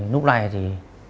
lúc này thì